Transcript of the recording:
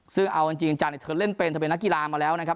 ซึ่งเอาจริงจังเธอเล่นเป็นเธอเป็นนักกีฬามาแล้วนะครับ